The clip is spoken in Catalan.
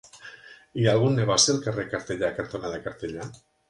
Hi ha algun negoci al carrer Cartellà cantonada Cartellà?